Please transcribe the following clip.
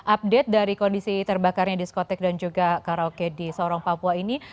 update dari kondisi terbakarnya diskotek dan juga karaoke di sorong papua ini